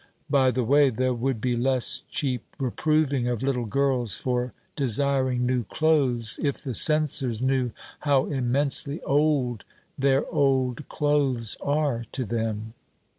By the way, there would be less cheap reproving of little girls for desiring new clothes if the censors knew how immensely old their old clothes are to them.